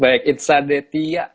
baik itza detya